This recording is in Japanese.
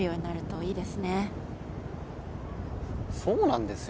そうなんですよ。